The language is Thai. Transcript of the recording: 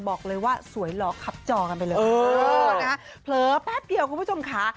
บอกเลยว่าสวยหล่อขับจอกันไปเลยเออนะเผลอแป๊บเดียวคุณผู้ชมค่ะ